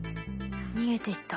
逃げていった。